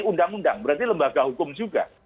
undang undang berarti lembaga hukum juga